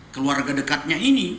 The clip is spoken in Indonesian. keluarga dekatnya ini